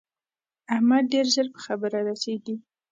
احمد ډېر ژر په خبره رسېږي.